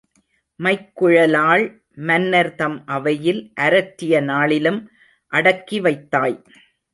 மைக்குழலாள் மன்னர் தம் அவையில் அரற்றிய நாளிலும் அடக்கி வைத்தாய்.